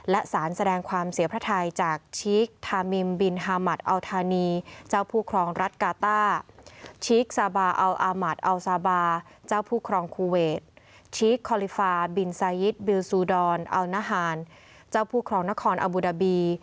และสารแสดงความเสียพระไทยจากชิกทามิมบินฮามัดอัลธานี